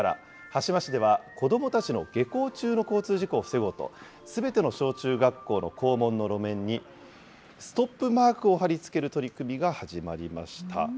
羽島市では子どもたちの下校中の交通事故を防ごうと、すべての小中学校の校門の路面にストップマークを貼り付ける取り組みが始まりました。